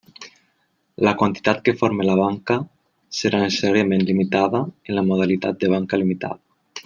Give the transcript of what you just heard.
La quantitat que forme la banca serà necessàriament limitada en la modalitat de banca limitada.